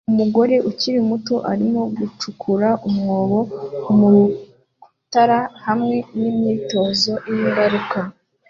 Umugore ukiri muto arimo gucukura umwobo mu rutare hamwe nimyitozo yingaruka